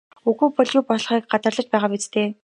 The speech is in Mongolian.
Үгүй бол юу болохыг гадарлаж байгаа биз дээ?